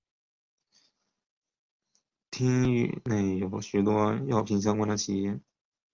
町域内有许多药品相关的企业。